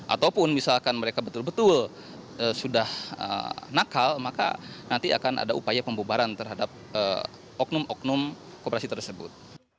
ataupun misalkan mereka betul betul sudah nakal maka nanti akan ada upaya pembubaran terhadap oknum oknum kooperasi tersebut